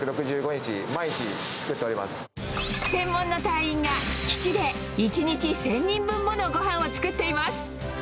専門の隊員が基地で一日１０００人分ものごはんを作っています